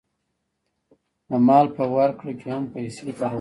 د مال په ورکړه کې هم پیسې کارول کېږي